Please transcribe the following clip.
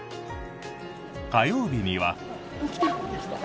火曜日には。